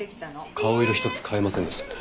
顔色ひとつ変えませんでしたね。